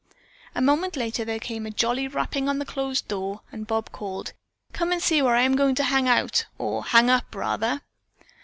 A moment later there came a jolly rapping on their closed door, and Bob called: "Come and see where I am going to hang out, or hang up rather."